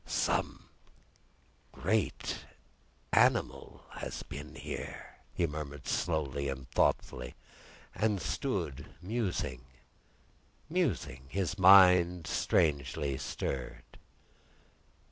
"Some—great—animal—has been here," he murmured slowly and thoughtfully; and stood musing, musing; his mind strangely stirred.